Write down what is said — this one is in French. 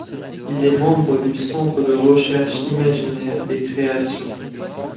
Il est membre du Centre de Recherche Imaginaire et Création.